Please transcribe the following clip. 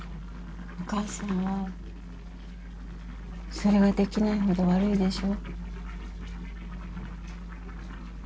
お母さんはそれができないほど悪いでしょ？